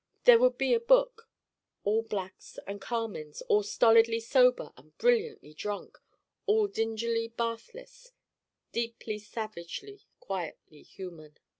There would be a book. All blacks and carmines all stolidly sober and brilliantly drunk all dingily bathless: deeply savagely quietly human.